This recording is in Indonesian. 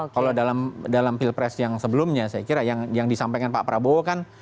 kalau dalam pilpres yang sebelumnya saya kira yang disampaikan pak prabowo kan